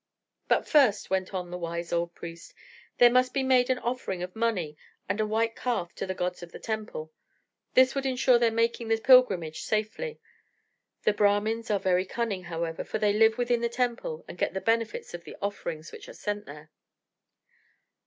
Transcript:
"But first," went on the wise old priest, "there must be made an offering of money and a white calf to the gods of the temple." This would ensure their making the pilgrimage safely. The Brahmins are very cunning, however, for they live within the temple and get the benefits of the offerings which are sent there.